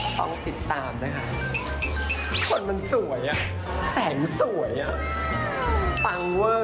ต้องติดตามนะคะคนมันสวยอ่ะแสงสวยอ่ะปังเวอร์